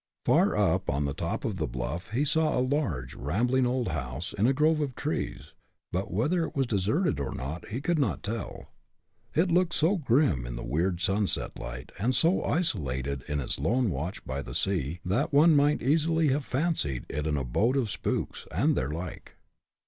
Far up on the top of the bluff he saw a large, rambling, old house, in a grove of trees, but whether it was deserted or not, he could not tell. It looked so grim in the weird sunset light, and so isolated in its lone watch by the sea that one might easily have fancied it an abode of spooks, and their like.